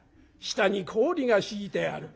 下に氷が敷いてある」。